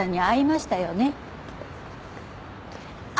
会いましたよね？